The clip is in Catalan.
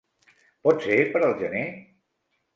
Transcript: Pot ser per al gener?